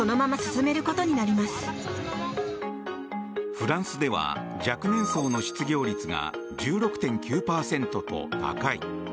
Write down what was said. フランスでは若年層の失業率が１６．９％と高い。